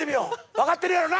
分かってるやろな？